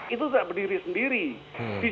itu tidak berdiri sendiri